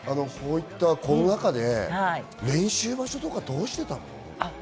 コロナ禍で練習場所とかどうしてたの？